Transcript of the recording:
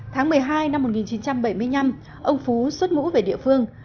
tháng một mươi hai năm một nghìn chín trăm bảy mươi năm ông phú xuất ngũ về địa phương